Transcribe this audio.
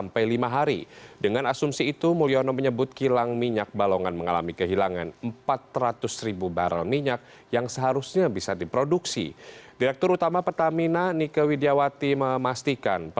pemadaman dan pendinginan diprediksi memakai